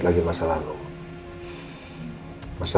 orang dari sana memang juga